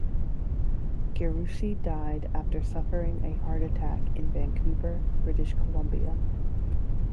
Gerussi died after suffering a heart attack in Vancouver, British Columbia.